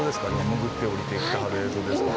潜っておりてきてはる映像ですか？